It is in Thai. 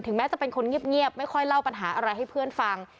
แม้จะเป็นคนเงียบไม่ค่อยเล่าปัญหาอะไรให้เพื่อนฟัง